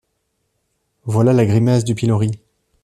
Voilà la grimace du pilori.